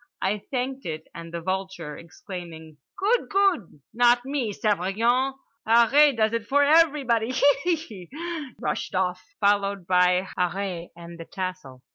I thanked it; and the vulture, exclaiming: "Good. Good. Not me. Surveillant. Harree does it for everybody. Hee, hee"—rushed off, followed by Harree and the tassel.